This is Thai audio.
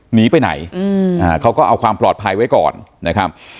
หนีไปไหนเขาก็เอาความปลอดภัยไว้ก่อนนะครับ